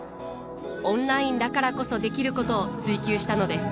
オンラインだからこそできることを追求したのです。